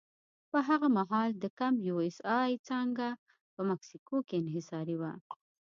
په هغه مهال د کمپ یو اس اې څانګه په مکسیکو کې انحصاري وه.